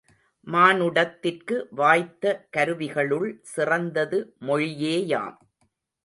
மானுடத்திற்கு வாய்த்த கருவிகளுள் சிறந்தது மொழியேயாம்!